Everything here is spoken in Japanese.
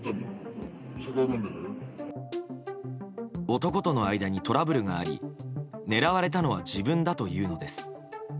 男との間にトラブルがあり狙われたのは自分だというのです。